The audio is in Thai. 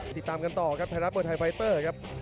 ติดตามกันต่อครับท้ายรับเบอร์ไทยไฟเตอร์ครับ